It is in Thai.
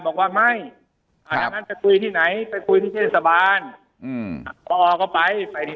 บอกว่าไม่จะคุยที่ไหนไปคุยที่เทศบาลออกเขาไปไปที่